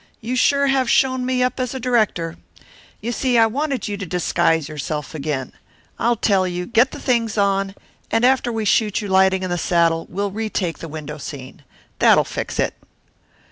You sure have shown me up as a director. You see I wanted you to disguise yourself again I'll tell you; get the things on, and after we shoot you lighting in the saddle we'll retake the window scene. That'll fix it."